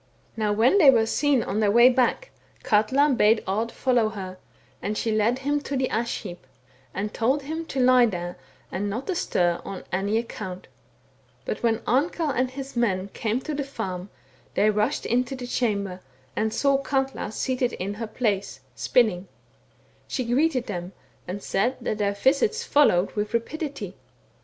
32 THE BOOK OF WERE WOLVES. " Now when they were seen on their way back, Katla bade Odd follow her ; and she led him to the ash heap, and told him to lie there and not to stir on any account. But when Amkell and his men came to the farm^ they rushed into the chamber, and saw Katla seated in her place, spinning. She greeted them and said that their visits followed with rapidity.